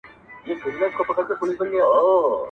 د کلي خلک د موټر شاوخوا راټولېږي او ګوري,